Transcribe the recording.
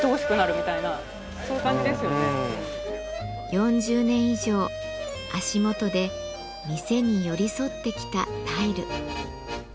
４０年以上足元で店に寄り添ってきたタイル。